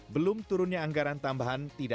belum turunnya anggaran tambahan